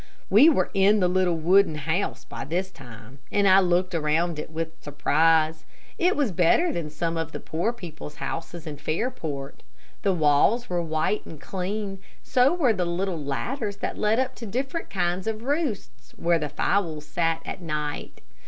We were in the little wooden house by this time, and I looked around it with surprise. It was better than some of the poor people's houses in Fairport. The walls were white and clean, so were the little ladders that led up to different kinds of roosts, where the fowls sat at night.